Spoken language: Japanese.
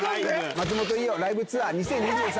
松本伊代ライブツアー２０２３。